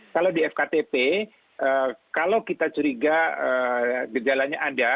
kalau di fktp kalau kita curiga gejalanya ada